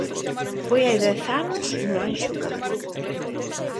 Foi hai dez anos no Anxo Carro.